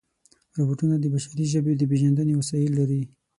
روبوټونه د بشري ژبې د پېژندنې وسایل لري.